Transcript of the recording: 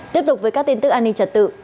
tiếp tục với các tin tức an ninh trật tự